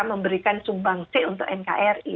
memberikan sumbang c untuk nkri